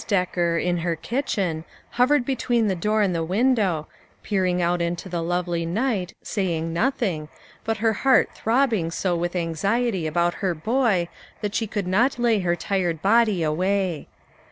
Decker in her kitchen, hovered between the door and the window, peering out into the lovely night, saying noth ing, but her heart throbbing so with anxiety about her boy that she could not lay her tired body away.